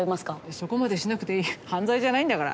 そこまでしなくていい犯罪じゃないんだから。